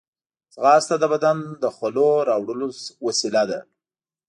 ځغاسته د بدن د خولو راوړلو وسیله ده